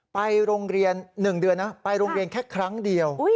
ไปโรงเรียน๑เดือนนะไปโรงเรียนแค่ครั้งเดียว